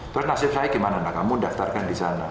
terus nasib saya gimana kamu daftarkan disana